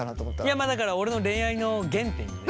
いやまあだから俺の恋愛の原点にね。